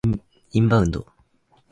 インバウンド